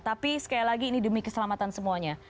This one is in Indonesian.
tapi sekali lagi ini demi keselamatan semuanya